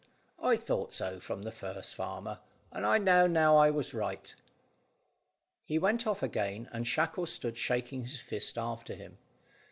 I thought so from the first, farmer, and I know now I was right." He went off again, and Shackle stood shaking his fist after him.